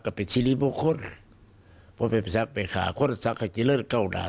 นึกว่านายศักดิ์วิทยาคม